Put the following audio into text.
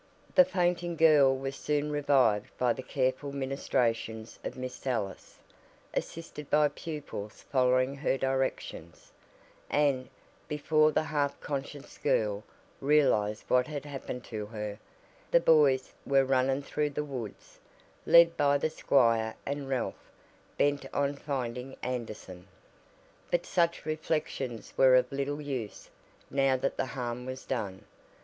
The fainting girl was soon revived by the careful ministrations of Miss Ellis, assisted by pupils following her directions; and, before the half conscious girl realized what had happened to her, the boys were running through the woods, led by the squire and Ralph, bent on finding Anderson. But such reflections were of little use now that the harm was done.